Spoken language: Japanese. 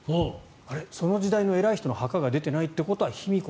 その時代の偉い人の墓が出ていないということは卑弥呼